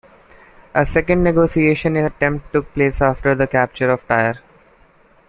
A second negotiation attempt took place after the capture of Tyre.